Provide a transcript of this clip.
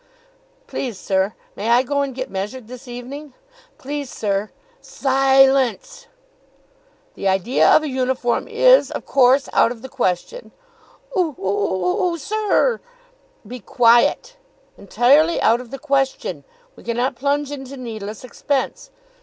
"Please, sir, may I go and get measured this evening?" "Please, sir " "Si lence! The idea of a uniform is, of course, out of the question." "Oo oo oo oo, sir r r!" "Be quiet! Entirely out of the question. We cannot plunge into needless expense.